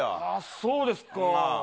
そうですか。